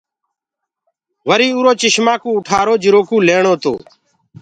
وري اُرو چشمآ ڪوُ اُٺآرو جِرو ڪُو ليڻو تو۔